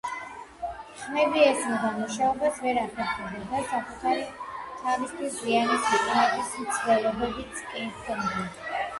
ხმები ესმოდა, მუშაობას ვერ ახერხებდა და საკუთარი თავისთვის ზიანის მიყენების მცდელობებიც კი ჰქონდა